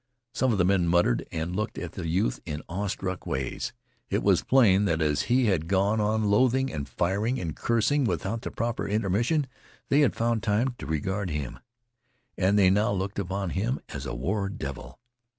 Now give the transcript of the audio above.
Some of the men muttered and looked at the youth in awe struck ways. It was plain that as he had gone on loading and firing and cursing without the proper intermission, they had found time to regard him. And they now looked upon him as a war devil.